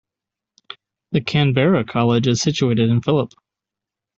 The Canberra College is situated in Phillip.